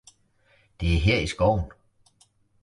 det er her i skoven!